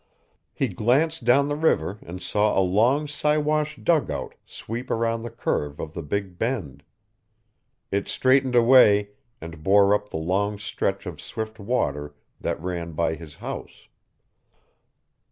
He glanced down the river and saw a long Siwash dugout sweep around the curve of the Big Bend. It straightened away and bore up the long stretch of swift water that ran by his house.